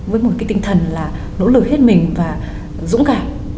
với một cái tinh thần là nỗ lực hết mình và dũng cảm